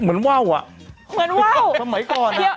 เหมือนว่าวสมัยก่อนนะ